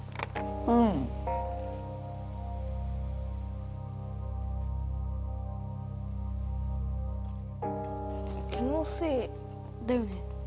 うん気のせいだよね？